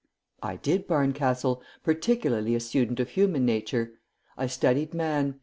"I did, Barncastle; particularly a student of human nature. I studied man.